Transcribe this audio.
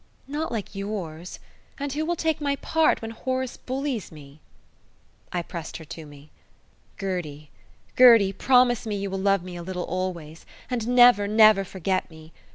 "Not like yours. And who will take my part when Horace bullies me?" I pressed her to me. "Gertie, Gertie, promise me you will love me a little always, and never, never forget me.